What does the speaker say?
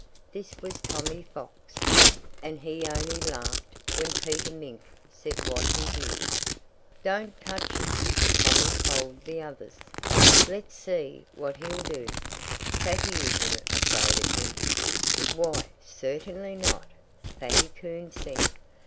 This was Tommy Fox. And he only laughed when Peter Mink said what he did. "Don't touch him!" Tommy Fox told the others. "Let's see what he'll do. Fatty isn't afraid of him." "Why, certainly not!" Fatty Coon said.